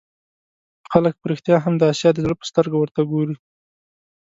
خلک په رښتیا هم د آسیا د زړه په سترګه ورته وګوري.